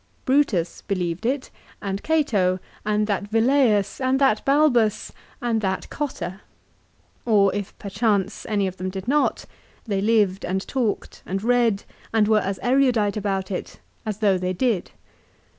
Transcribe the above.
Brutus believed it, and Cato, and that Velleius, and that Balbus, and that Gotta. Or if perchance any of them did not, they lived and talked, and read, and were as erudite about it, as though they did.